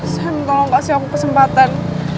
sam tolong kasih aku kesempatan